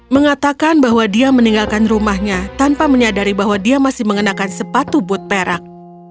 mengatakan bahwa dia meninggalkan rumahnya tanpa menyadari bahwa dia masih mengenakan sepatu boot perak